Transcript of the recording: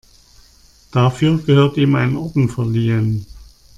Dafür gehört ihm ein Orden verliehen.